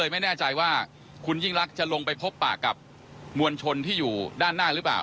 ไม่แน่ใจว่าคุณยิ่งรักจะลงไปพบปากกับมวลชนที่อยู่ด้านหน้าหรือเปล่า